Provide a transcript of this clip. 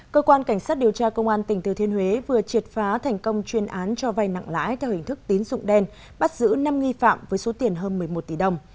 cơ quan cảnh sát điều tra công an tỉnh thừa thiên huế vừa triệt phá thành công chuyên án cho vay nặng lãi theo hình thức tín dụng đen bắt giữ năm nghi phạm với số tiền hơn một mươi một tỷ đồng